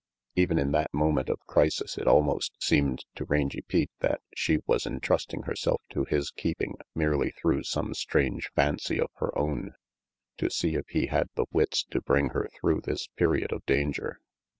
Even in that moment of crisis it almost seemed to Rangy Pete that she was entrusting herself to his keeping merely through some strange fancy of her own, to see if he had the wits to bring her through this period of danger.